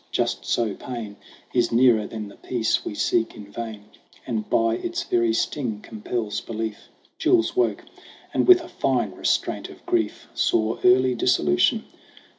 Just so, pain Is nearer than the peace we seek in vain, And by its very sting compells belief. Jules woke, and with a fine restraint of grief Saw early dissolution.